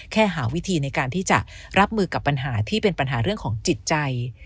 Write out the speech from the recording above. หาวิธีในการที่จะรับมือกับปัญหาที่เป็นปัญหาเรื่องของจิตใจ